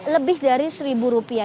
lebih dari seribu rupiah